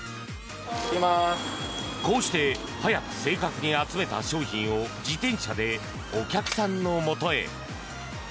こうして速く正確に集めた商品を自転車でお客さんのもとへ。